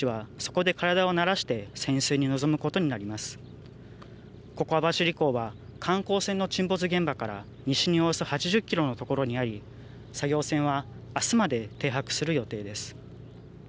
ここ網走港は観光船の沈没現場から西におよそ８０キロのところにあり作業船はあすまで停泊する予定です。